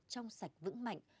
trong sạch vững mạnh